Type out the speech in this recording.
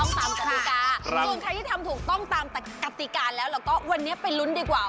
ส่วนใครที่ทำถูกต้องตามกติการแล้วแล้วก็วันนี้ไปลุ้นดีกว่า